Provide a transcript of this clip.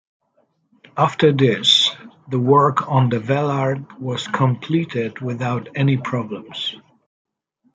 After this, the work on the Vellard was completed without any problems.